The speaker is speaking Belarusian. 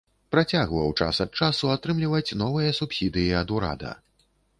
Працягваў час ад часу атрымліваць новыя субсідыі ад урада.